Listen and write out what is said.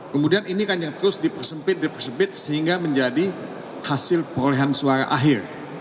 kemudian ini kan yang terus dipersempit dipersempit sehingga menjadi hasil perolehan suara akhir